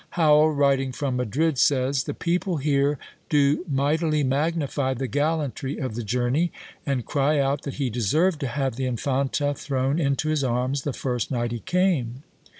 Howel, writing from Madrid, says, "The people here do mightily magnify the gallantry of the journey, and cry out that he deserved to have the Infanta thrown into his arms the first night he came."